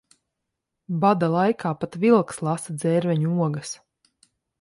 Bada laikā pat vilks lasa dzērveņu ogas.